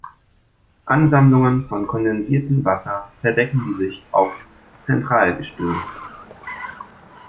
Ansammlungen von kondensiertem Wasser verdecken die Sicht aufs Zentralgestirn.